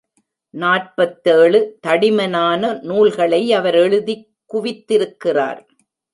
நாற்பத்தேழு தடிமனான நூல்களை அவர் எழுதிக் குவித்திருக்கிறார்.